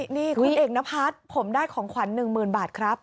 นี่นี่คุณเอกนภัทรผมได้ของขวัญหนึ่งหมื่นบาทครับ